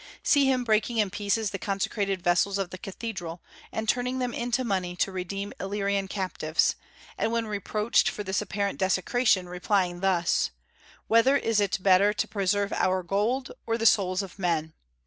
See him breaking in pieces the consecrated vessels of the cathedral, and turning them into money to redeem Illyrian captives; and when reproached for this apparent desecration replying thus: "Whether is it better to preserve our gold or the souls of men?